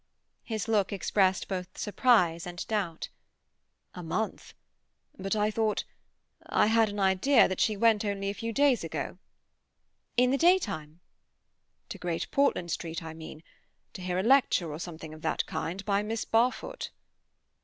His look expressed both surprise and doubt. "A month? But I thought—I had an idea—that she went only a few days ago." "In the day time?" "To Great Portland Street, I mean—to hear a lecture, or something of that kind, by Miss Barfoot."